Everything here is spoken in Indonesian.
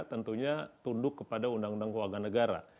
tentunya tunduk kepada undang undang keluarga negara